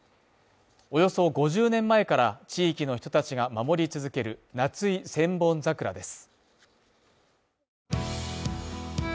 およそ５０年前から地域の人たちが守り続ける夏井千本桜です。